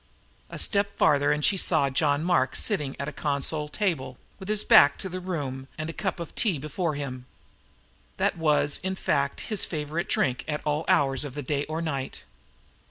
A step farther and she saw John Mark sitting at a console table, with his back to the room and a cup of tea before him. That was, in fact, his favorite drink at all hours of the day or night.